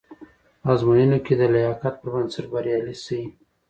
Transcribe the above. په ازموینو کې د لایقت پر بنسټ بریالي شئ.